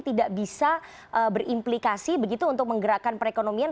tidak bisa berimplikasi begitu untuk menggerakkan perekonomian